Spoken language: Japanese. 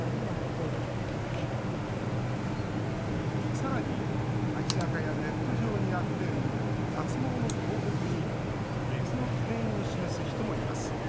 さらに、街なかやネット上にあふれる脱毛の広告に別の懸念を示す人もいます。